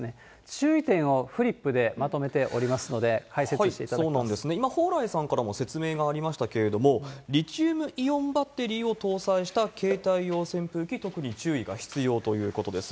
注意点をフリップでまとめておりますので、そうなんですね、今、蓬莱さんからも説明がありましたけれども、リチウムイオンバッテリーを搭載した携帯用扇風機、特に注意が必要ということです。